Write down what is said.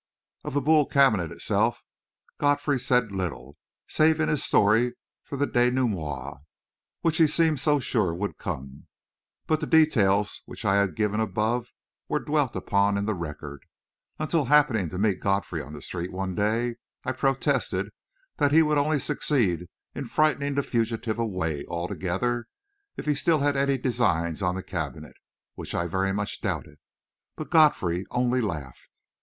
Of the Boule cabinet itself Godfrey said little, saving his story for the dénouement which he seemed so sure would come; but the details which I have given above were dwelt upon in the Record, until, happening to meet Godfrey on the street one day, I protested that he would only succeed in frightening the fugitive away altogether, even if he still had any designs on the cabinet, which I very much doubted. But Godfrey only laughed.